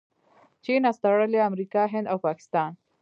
چین، اسټرلیا، امریکا، هند او پاکستان